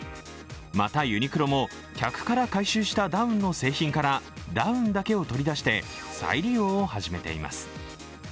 また、ユニクロも客から回収したダウンの製品からダウンだけを取り出して再利用を始めています。